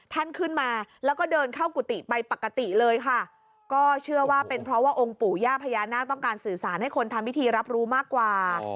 ท่านขึ้นมาแล้วก็เดินเข้ากุฏิไปปกติเลยค่ะก็เชื่อว่าเป็นเพราะว่าองค์ปู่ย่าพญานาคต้องการสื่อสารให้คนทำพิธีรับรู้มากกว่า